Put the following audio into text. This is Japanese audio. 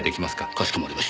かしこまりました。